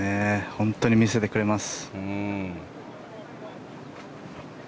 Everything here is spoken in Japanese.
本当に見せてくれます。